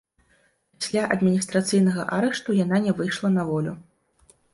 Пасля адміністрацыйнага арышту яна не выйшла на волю.